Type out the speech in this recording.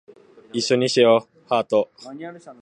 一緒にしよ♡